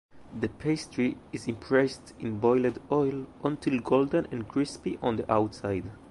The Pastry is immersed in boiled oil until golden and crispy on the outside.